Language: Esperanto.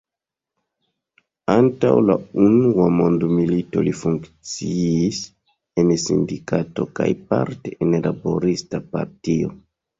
Antaŭ la unua mondmilito li funkciis en sindikato kaj parte en laborista partio.